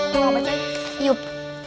mau baca yuk